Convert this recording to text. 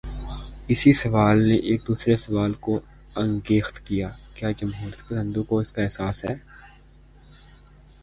اسی سوال نے ایک دوسرے سوال کو انگیخت کیا: کیا جمہوریت پسندوں کو اس کا احساس ہے؟